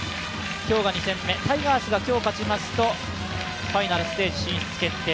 今日は２点目、タイガースが今日勝ちますとファイナルステージ進出決定。